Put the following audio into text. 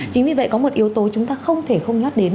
chính vì vậy có một yếu tố chúng ta không thể không nhắc đến